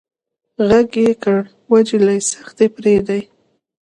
غږ يې کړ وه جلۍ سختي پرېدئ.